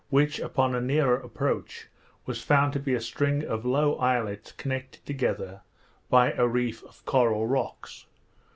which, upon a nearer approach, we found to be a string of low islets connected together by a reef of coral rocks.